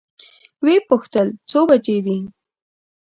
وې پوښتل څو بجې دي؟